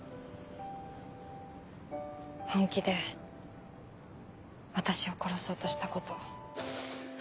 本気で私を殺そうとしたこと。